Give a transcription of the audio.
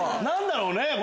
何だろうね？